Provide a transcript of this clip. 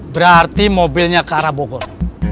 berarti mobilnya ke arah bogor